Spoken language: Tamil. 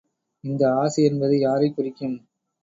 இந்த ஆசை என்பது யாரைக் குறிக்கும்?